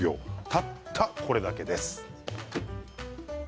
たったこれだけ。